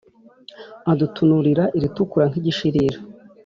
Adutunurira iritukura nk'igishirira